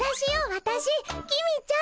わたし公ちゃん。